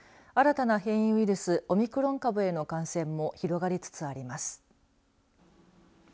新たな変異ウイルスオミクロン株への感染も広がりつつあります。